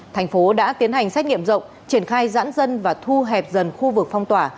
thành phố đã tiến hành xét nghiệm rộng triển khai giãn dân và thu hẹp dần khu vực phong tỏa